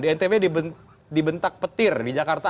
seharusnya dibentak petir di jakarta